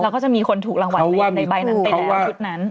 แล้วก็จะมีคนถูกรางวัติในใบนั้นในทุกนั้น